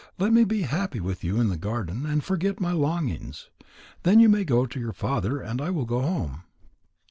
Let me be happy with you in the garden, and forget my longings. Then you may go to your father, and I will go home."